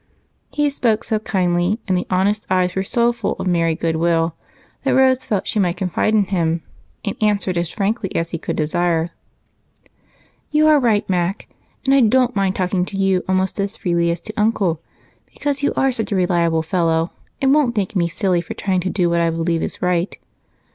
He spoke so kindly, and the honest eyes were so full of merry goodwill, that Rose thought she might confide in him and answered as frankly as he could desire: "You are right, Mac, and I don't mind talking to you almost as freely as to Uncle, because you are such a reliable fellow and won't think me silly for trying to do what I believe to be right.